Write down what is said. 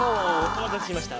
おまたせしました！